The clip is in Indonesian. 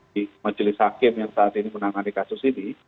di majelis hakim yang saat ini menangani kasus ini